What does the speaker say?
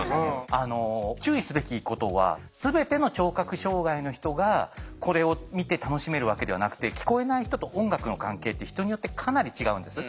注意すべきことは全ての聴覚障害の人がこれを見て楽しめるわけではなくて聞こえない人と音楽の関係って人によってかなり違うんです。